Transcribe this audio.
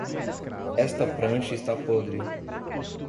Esta prancha está podre